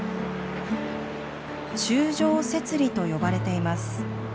「柱状節理」と呼ばれています。